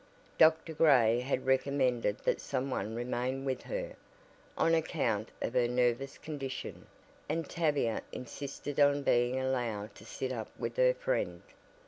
Dr. Gray had recommended that some one remain with her, on account of her nervous condition, and Tavia insisted on being allowed to sit up with her friend.